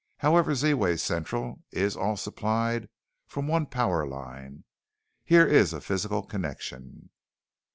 However Z wave Central is all supplied from one power line. Here is a physical connection.